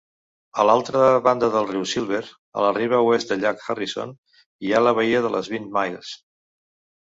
A l'altra banda del riu Silver, a la riba oest del llac Harrison, hi ha la badia de les Vint Milles.